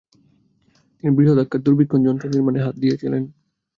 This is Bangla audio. তিনি বৃহদাকার দূরবীক্ষণ যন্ত্র নির্মাণে হাত দিয়েছিলেন।